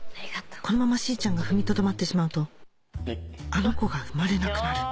このまましーちゃんが踏みとどまってしまうとあの子が生まれなくなる